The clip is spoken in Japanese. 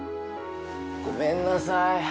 ごめんなさい。